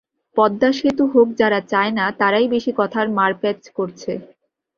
পদ্মা সেতু হোক যারা চায় না, তারাই বেশি কথার মারপ্যাঁচ করছে।